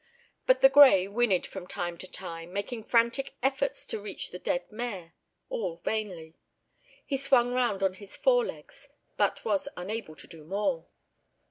But the grey whinnied from time to time, making frantic efforts to reach the dead mare—all vainly. He swung round on his fore legs but was unable to do more.